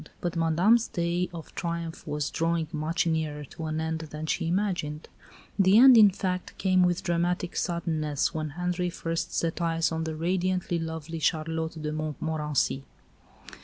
But Madame's day of triumph was drawing much nearer to an end than she imagined. The end, in fact, came with dramatic suddenness when Henri first set eyes on the radiantly lovely Charlotte de Montmorency.